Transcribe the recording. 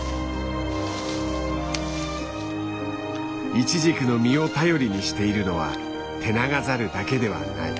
イチジクの実を頼りにしているのはテナガザルだけではない。